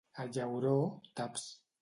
A Llauró, taps.